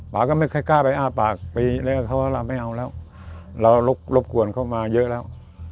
เราก็ไม่ค่อยกล้าไปอ้าปากไปเรียกกับเขาว่าเราไม่เอาแล้วเรารบรบกวนเข้ามาเยอะแล้ว